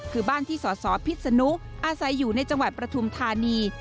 คือบ้านที่สสพิษนุอาศัยอยู่ในจังหวัดปฐุมธานี